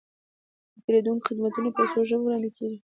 د پیرودونکو خدمتونه په څو ژبو وړاندې کیږي.